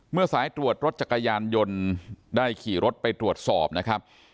สายตรวจรถจักรยานยนต์ได้ขี่รถไปตรวจสอบนะครับ